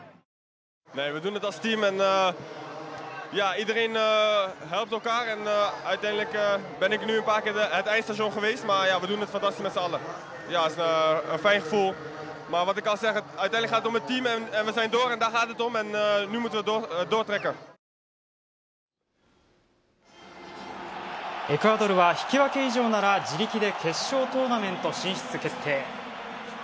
エクアドルは引き分け以上なら自力で決勝トーナメント進出決定。